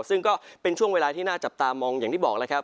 ซึ่งก็เป็นช่วงเวลาที่น่าจับตามองอย่างที่บอกแล้วครับ